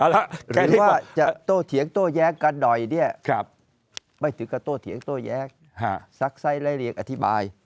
หรือว่าจะโตเถียงโต้แย้งกันหน่อยเนี่ยไม่ถึงกระโตเถียงโต้แย้งซักไซส์ไล่เรียกอธิบาย